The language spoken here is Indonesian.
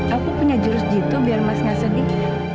aku punya jurus gitu biar mas gak sedih